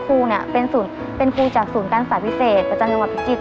คือครูเป็นครูจากศูนย์การสายพิเศษประจำจังหวัดพิจิตร